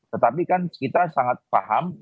tetapi kan kita sangat paham